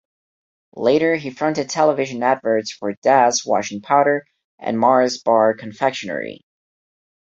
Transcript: Later he fronted television adverts for Daz washing powder and Mars bar confectionery.